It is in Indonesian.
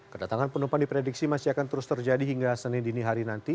kedatangan penumpang diprediksi masih akan terus terjadi hingga senin dini hari nanti